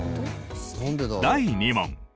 第２問。